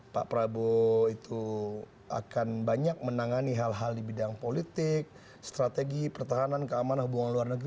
pak prabowo itu akan banyak menangani hal hal di bidang politik strategi pertahanan keamanan hubungan luar negeri